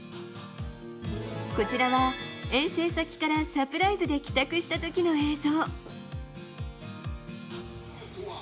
こちらは遠征先からサプライズで帰宅した時の映像。